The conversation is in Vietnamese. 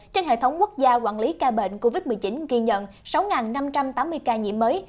trên hệ thống quốc gia quản lý ca bệnh covid một mươi chín ghi nhận sáu năm trăm tám mươi ca nhiễm mới